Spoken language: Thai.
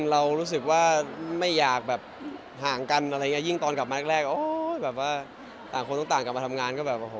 เรารู้สึกว่าไม่อยากห่างกันอะไรอย่างนี้ยิ่งตอนกลับมาแรกต่างคนต้องต่างกลับมาทำงาน